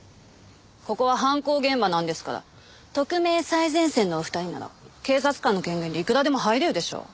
ここは犯行現場なんですから特命最前線のお二人なら警察官の権限でいくらでも入れるでしょう。